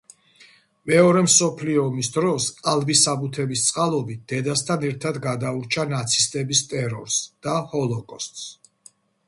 მეორე მსოფლიო ომის დროს ყალბი საბუთების წყალობით დედასთან ერთად გადაურჩა ნაცისტების ტერორს და ჰოლოკოსტს.